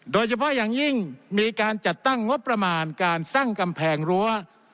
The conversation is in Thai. โดยเฉพาะอย่างยิ่งมีการจัดตั้งงบประมาณการสร้างกำแพงรั้ว